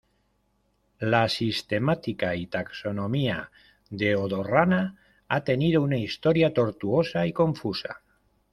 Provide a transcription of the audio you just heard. La sistemática y taxonomía de "Odorrana" ha tenido una historia tortuosa y confusa.